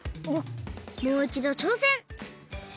もういちどちょうせん！